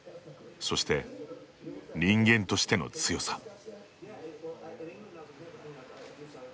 そして、人間としての強さ。